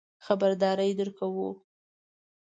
خبرداری درکوو.